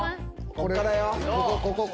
こっからよ。